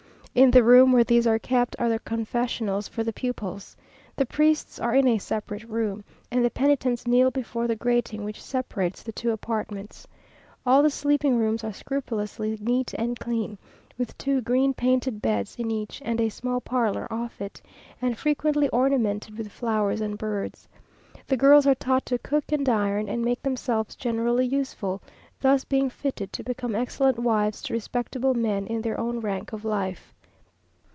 In the room where these are kept are the confessionals for the pupils. The priests are in a separate room, and the penitents kneel before the grating which separates the two apartments. All the sleeping rooms are scrupulously neat and clean, with two green painted beds in each, and a small parlour off it, and frequently ornamented with flowers and birds. The girls are taught to cook and iron, and make themselves generally useful, thus being fitted to become excellent wives to respectable men in their own rank of life.